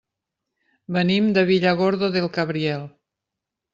Venim de Villargordo del Cabriel.